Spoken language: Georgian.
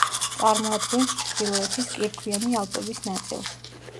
წარმოადგენს ჩრდილოეთის კირქვიანი ალპების ნაწილს.